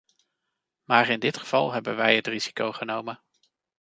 Maar in dit geval hebben wij het risico genomen.